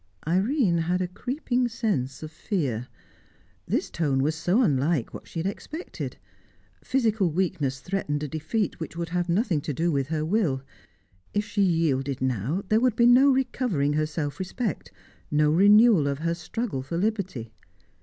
Irene had a creeping sense of fear. This tone was so unlike what she had expected. Physical weakness threatened a defeat which would have nothing to do with her will. If she yielded now, there would be no recovering her self respect, no renewal of her struggle for liberty.